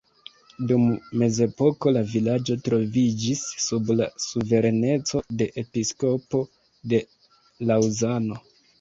Dum mezepoko la vilaĝo troviĝis sub la suvereneco de episkopo de Laŭzano.